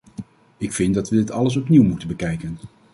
Ik vind dat we dit alles opnieuw moeten bekijken.